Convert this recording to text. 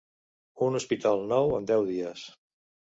Un hospital nou en deu dies.